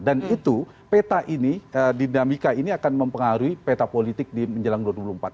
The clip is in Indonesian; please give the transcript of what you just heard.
dan itu peta ini dinamika ini akan mempengaruhi peta politik di menjelang dua puluh empat tahun